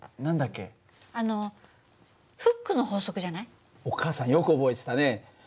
あのお母さんよく覚えてたね。